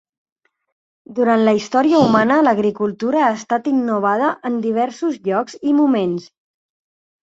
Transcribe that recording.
Durant la història humana l'agricultura ha estat innovada en diversos llocs i moments.